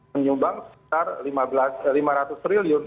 menyumbang sekitar lima ratus triliun